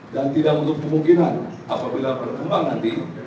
dan tidak untuk kemungkinan apabila berkembang nanti